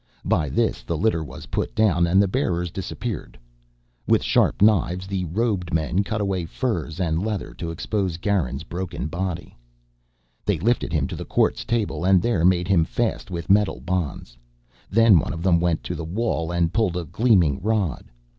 By this the litter was put down and the bearers disappeared. With sharp knives the robed men cut away furs and leather to expose Garin's broken body. They lifted him to the quartz table and there made him fast with metal bonds. Then one of them went to the wall and pulled a gleaming rod.